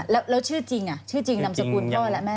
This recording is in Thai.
แล้วชื่อจริงน้ำสมบูรณ์พ่อแหละแม่